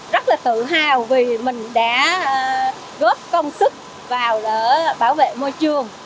rất là tự hào vì mình đã góp công sức vào để bảo vệ môi trường